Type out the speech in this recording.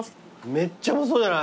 めっちゃうまそうじゃない？